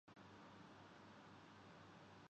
دونوں ملکوں کی باہمی دلچسپی کے امور پر تبادلہ خیال کیا ہے